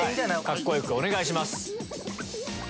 カッコよくお願いします。